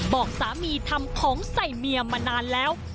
บอกสามีทำของใส่เมียมานานแล้ว